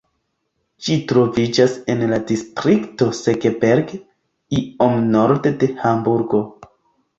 Ĝi troviĝas en la distrikto Segeberg, iom norde de Hamburgo.